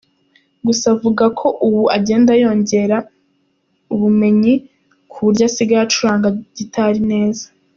Gusa avuga ko ubu agenda yongera ubumenyi ku buryo asigaye acuranga gitari neza.